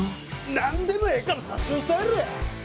なんでもええから差し押さえろや！